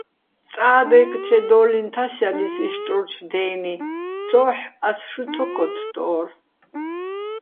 წა დაჲკჩედო́ლიჼ თასჲალისო̆ იშტრუჩო̆ დე́ნი, ცო́ჰ̦ ას შუ ცო ქოთთდო́რ.